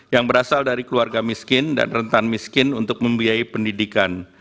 yang berasal dari keluarga miskin dan rentan miskin untuk membiayai pendidikan